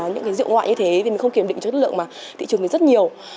những cái rượu ngoại như thế vì mình không kiểm định chất lượng mà thị trường thì rất nhiều